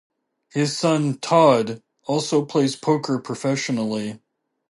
His son, Todd, also plays poker professionally.